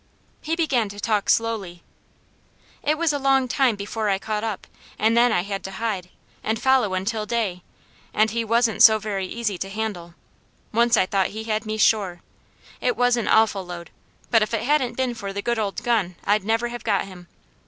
He began to talk slowly. "It was a long time before I caught up, and then I had to hide, and follow until day, and he wasn't so very easy to handle. Once I thought he had me sure! It was an awful load, but if it hadn't been for the good old gun, I'd never have got him.